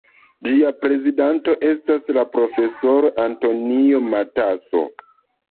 Ĝia prezidanto estas la profesoro Antonio Matasso.